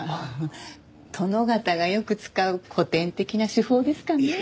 殿方がよく使う古典的な手法ですかね。